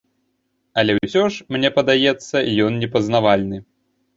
Але ўсё ж, мне падаецца, ён непазнавальны.